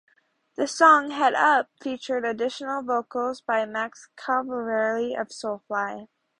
The song "Headup" featured additional vocals by Max Cavalera of Soulfly.